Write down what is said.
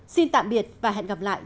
xin tạm biệt và hẹn gặp lại